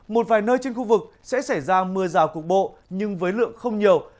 một vài nơi trên khu vực sẽ xảy ra mưa rào cục bộ nhưng với lượng không nhiều